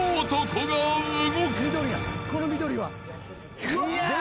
この緑は。